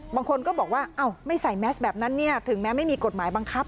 บางคนก็บอกว่าไม่ใส่แมสแบบนั้นถึงแม้ไม่มีกฎหมายบังคับ